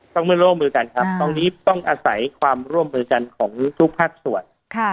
ต้องไม่ร่วมมือกันครับตรงนี้ต้องอาศัยความร่วมมือกันของทุกภาคส่วน